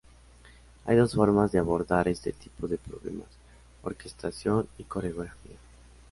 Hay dos formas de abordar este tipo de problemas: Orquestación y coreografía.